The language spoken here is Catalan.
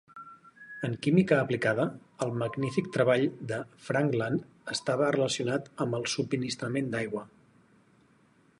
En química aplicada, el magnífic treball de Frankland estava relacionat amb el subministrament d'aigua.